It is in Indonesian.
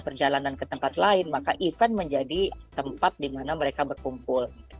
perjalanan ke tempat lain maka event menjadi tempat di mana mereka berkumpul